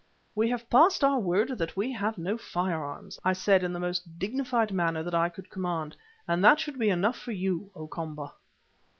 "We have passed our word that we have no firearms," I said in the most dignified manner that I could command, "and that should be enough for you, O Komba."